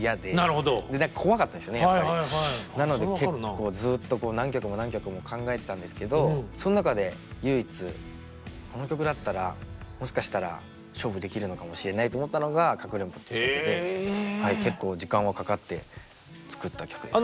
なので結構ずっと何曲も何曲も考えてたんですけどその中で唯一この曲だったらもしかしたら勝負できるのかもしれないと思ったのが「かくれんぼ」って曲で結構時間はかかって作った曲です。